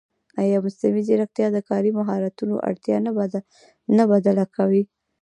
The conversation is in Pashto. ایا مصنوعي ځیرکتیا د کاري مهارتونو اړتیا نه بدله کوي؟